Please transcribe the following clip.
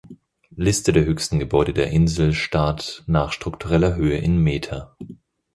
Liste der höchsten Gebäude der Inselstaat nach struktureller Höhe in Meter.